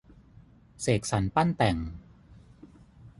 เสกสรรปั้นแต่ง